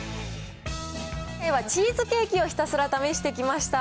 ではチーズケーキをひたすら試してきました。